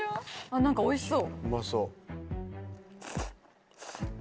何かおいしそう。